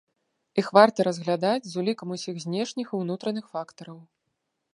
Іх варта разглядаць з улікам усіх знешніх і ўнутраных фактараў.